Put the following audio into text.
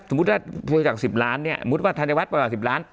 สมมุติถ้าบริจาคสิบล้านเนี้ยสมมุติว่าธัญวัตรประมาณสิบล้าน